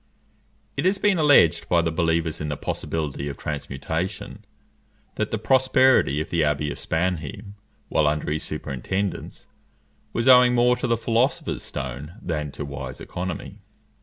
It has been alleged by the believers in the possibility of transmutation, that the prosperity of the abbey of Spannheim, while under his superintendence, was owing more to the philosopher's stone than to wise economy.